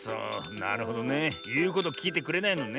なるほどね。いうこときいてくれないのね。